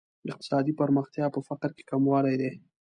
اقتصادي پرمختیا په فقر کې کموالی دی.